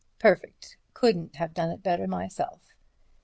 Perfect. Couldn't have done it better myself.